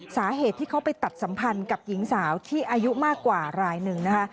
สาเหตุที่เขาไปตัดสัมพันธ์กับหญิงสาวที่อายุมากกว่ารายหนึ่งนะคะ